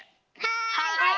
はい！